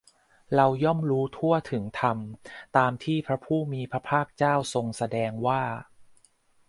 เราย่อมรู้ทั่วถึงธรรมตามที่พระผู้มีพระภาคทรงแสดงว่า